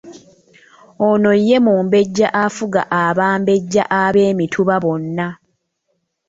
Ono ye mumbejja afuga abambejja ab’emituba bonna.